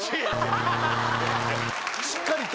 しっかりと。